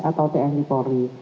atau tni polri